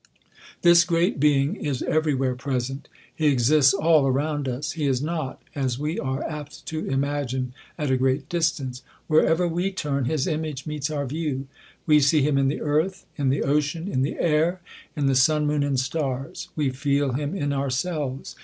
This great Being is every where present. He ex j ists all around us. He is not, as we are apt to imagine, ; at a great distance. Wherever we turn, his image meets our view. We see him in the earth, in the ocean, in the air, in the sun, moon, and stars. We feel him in ourselves.